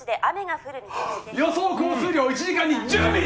降水量１時間に１０ミリ！